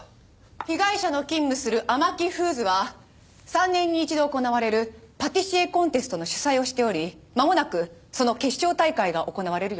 被害者の勤務するＡＭＡＫＩフーズは３年に１度行われるパティシエコンテストの主催をしておりまもなくその決勝大会が行われる予定です。